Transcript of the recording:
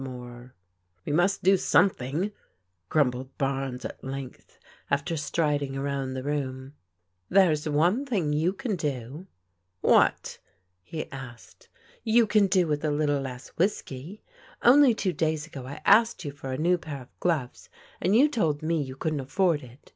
PEGGY'S EOMANCE FADES 261 We must do something/* grumbled Bames at length, after striding around the room. " There's one thing you can do." "What?" he asked. "You can do with a little less whiskey. Only two days ago I asked you for a new pair of gloves and you told me you couldn't afford it.